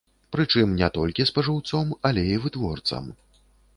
Прычым не толькі спажыўцом, але і вытворцам.